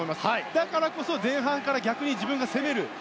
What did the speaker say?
だからこそ前半から逆に自分が攻める。